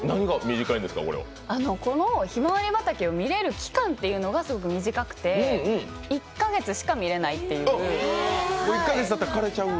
このひまわり畑を見れる期間っていうのがすごく短くて１カ月しか見れないっていう。